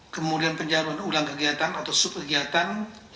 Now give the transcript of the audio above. kemudian penjahatan ulang kegiatan atau sub kegiatan